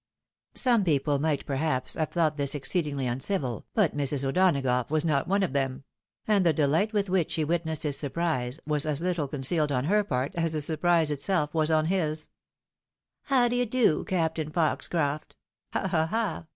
Some people might perhaps have thought this exceedingly uncivil, but Mrs. O'Donagough was not one of them ; and the delight with which she witnessed his surprise, was as httle con cealed on her part, as the surprise itself was on his. "How d'ye do. Captain Foxcroft? ha! ha! ha!